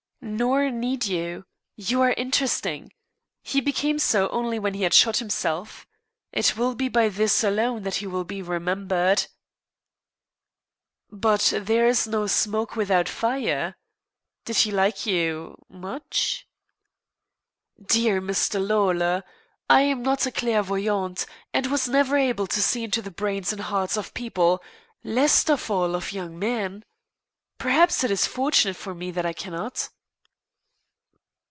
"Nor need you. You are interesting. He became so only when he had shot himself. It will be by this alone that he will be remembered." "But there is no smoke without fire. Did he like you much?" "Dear Mr. Lawlor, I am not a clairvoyante, and never was able to see into the brains or hearts of people least of all of young men. Perhaps it is fortunate for me that I cannot."